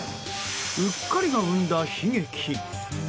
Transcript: うっかりが生んだ悲劇。